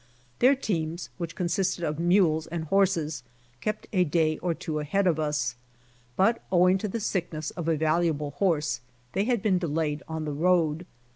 Their teams, which consisted of mules and horses, kept a day or two ahead of us. But owing to the sickness of a valuable horse, they had been delayed on the road.